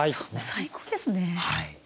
最高ですね。